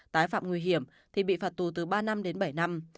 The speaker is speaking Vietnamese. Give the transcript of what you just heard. tái phạm nguy hiểm thì bị phạt tù từ ba năm đến bảy năm